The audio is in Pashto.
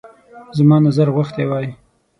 زموږ نظر غوښتی وای.